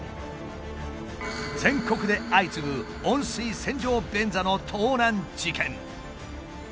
全国で相次ぐ温水洗浄便座の盗難事件。